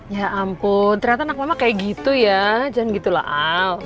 ya ampun ternyata anak mama kayak gitu ya jangan gitu lah